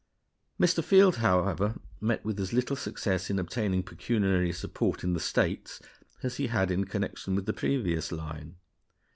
Mr. Field, however, met with as little success in obtaining pecuniary support in the States as he had in connection with the previous line.